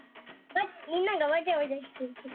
みんながわちゃわちゃしてると。